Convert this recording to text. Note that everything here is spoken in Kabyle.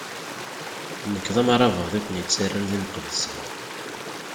Nekk, d amṛabeḍ i ken-ittarran d imqeddsen.